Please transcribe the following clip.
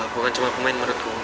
bukan cuma pemain menurutku